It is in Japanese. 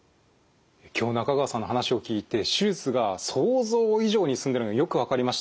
今日中川さんの話を聞いて手術が想像以上に進んでいるのがよく分かりました。